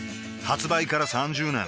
発売から３０年